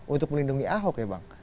untuk melindungi ahok ya bang